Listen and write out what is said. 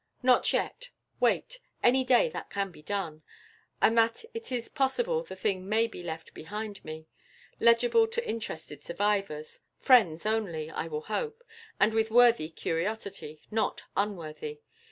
'Not yet; wait, any day that can be done!' and that it is possible the thing may be left behind me, legible to interested survivors friends only, I will hope, and with worthy curiosity, not _un_worthy!